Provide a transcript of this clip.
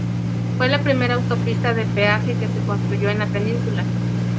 Fue la primera autopista de peaje que se construyó en la Península.